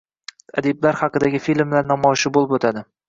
Adiblar haqidagi filmlar namoyishlari boʻlib oʻtadi.